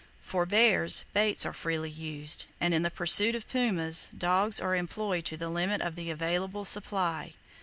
For bears, baits are freely used, and in the pursuit of pumas, dogs are employed to the limit of the available supply.